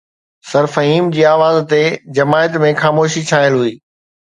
سرفهيم جي آواز تي جماعت ۾ خاموشي ڇانيل هئي